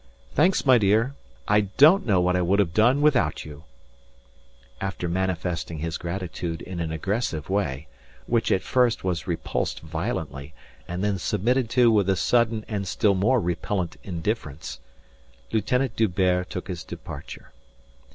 "Thanks, my dear. I don't know what I would have done without you." After manifesting his gratitude in an aggressive way which at first was repulsed violently and then submitted to with a sudden and still more repellent indifference, Lieutenant D'Hubert took his departure.